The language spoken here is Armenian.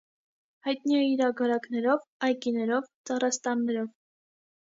Հայտնի է իր ագարակներով, այգիներով, ծառաստաններով։